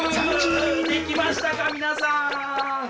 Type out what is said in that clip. できましたか皆さん。